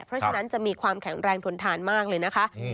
เพราะฉะนั้นจะมีความแข็งแรงทนทานมากเลยนะคะ